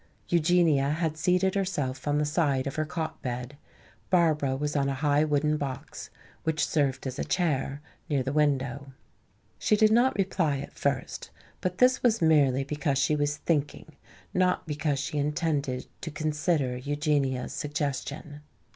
Eugenia had seated herself on the side of her cot bed, Barbara was on a high wooden box, which served as a chair, near the window. She did not reply at first, but this was merely because she was thinking, not because she intended to consider Eugenia's suggestion.